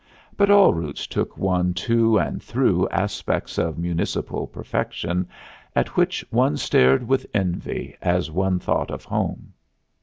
But all routes took one to and through aspects of municipal perfection at which one stared with envy as one thought of home.